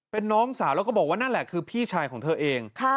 เป็นน้องสาวแล้วก็บอกว่านั่นแหละคือพี่ชายของเธอเอง